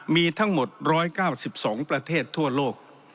มีทั้งหมด๑๙๒ประเทศทั่วโลก